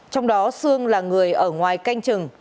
trong đó sương là người ở ngoài canh trừng